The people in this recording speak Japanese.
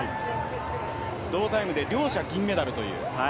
同タイムで両者銀メダル。